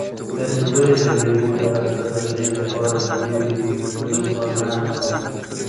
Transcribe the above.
تاسې ولې د مېوو د بسته بندۍ لپاره له نویو میتودونو کار نه اخلئ؟